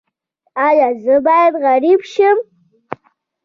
ایا زه باید غریب شم؟